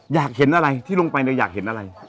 อยากเห็นอะไรที่ลงไปเนี่ยอยากเห็นอะไร